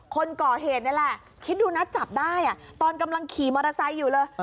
คนก่อเหตุนี่แหละคิดดูนะจับได้ตอนกำลังขี่มอเตอร์ไซค์อยู่เลย